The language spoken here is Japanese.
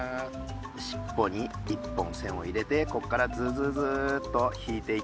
しっぽに１本線を入れてこっからズズズッと引いていきます。